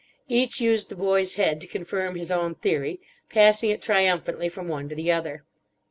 Each used the boy's head to confirm his own theory, passing it triumphantly from one to the other.